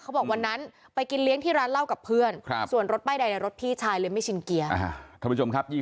เขาบอกวันนั้นไปกินเลี้ยงที่ร้านเล่ากับเพื่อนส่วนรถใบใดในรถพี่ชายเลยไม่ชินเกียร์